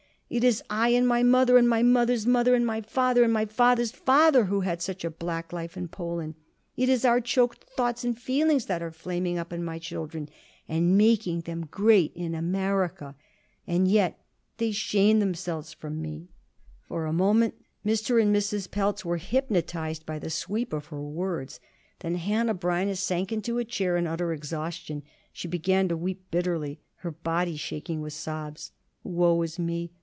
It is I and my mother and my mother's mother and my father and father's father who had such a black life in Poland; it is our choked thoughts and feelings that are flaming up in my children and making them great in America. And yet they shame themselves from me!" For a moment Mr. and Mrs. Pelz were hypnotized by the sweep of her words. Then Hanneh Breineh sank into a chair in utter exhaustion. She began to weep bitterly, her body shaking with sobs. "Woe is me!